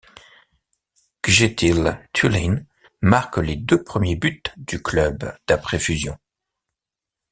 Kjetil Thulin marque les deux premiers buts du club d'après-fusion.